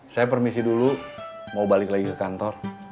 saya permisi dulu mau balik lagi ke kantor